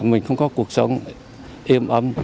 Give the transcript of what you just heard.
mình không có cuộc sống yên ấm